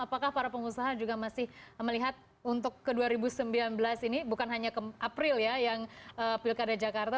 apakah para pengusaha juga masih melihat untuk ke dua ribu sembilan belas ini bukan hanya ke april ya yang pilkada jakarta